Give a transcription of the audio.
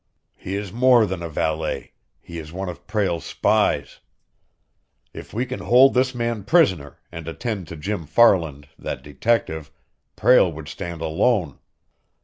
"He is more than a valet; he is one of Prale's spies! If we can hold this man prisoner, and attend to Jim Farland, that detective, Prale would stand alone.